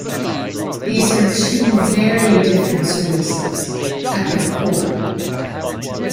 These are two very different services at their core.